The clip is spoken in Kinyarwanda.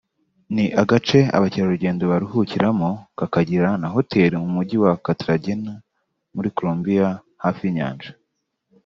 ni agace abakerarugendo baruhukiramo kakagira na hoteli mu mujyi wa Cartagena muri Colombia hafi y’inyanja